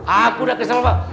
aku udah kesal pak